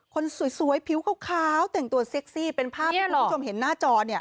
คนสวยผิวขาวแต่งตัวเซ็กซี่เป็นภาพที่คุณผู้ชมเห็นหน้าจอเนี่ย